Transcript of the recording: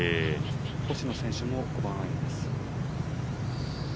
星野選手も５番アイアンです。